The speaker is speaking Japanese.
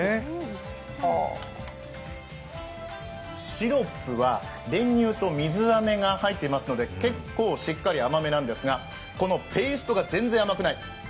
シロップは練乳と水あめが入っていますので結構しっかり甘めなんですが、このペーストが全然甘くない。